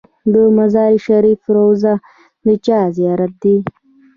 د مزار شریف روضه د چا زیارت دی؟